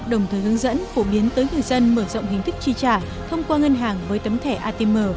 đồng thời hướng dẫn phổ biến tới người dân mở rộng hình thức chi trả thông qua ngân hàng với tấm thẻ atm